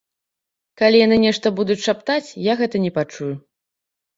Калі яны нешта будуць шаптаць, я гэта не пачую.